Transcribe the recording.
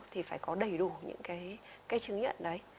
thì phải có đầy đủ những cái chứng nhận đấy